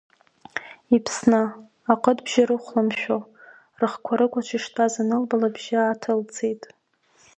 Иԥсны, аҟыт бжьы рыхәлымшәо, рыхқәа рыкәаҽ иштәаз анылба лыбжьы ааҭылцеит.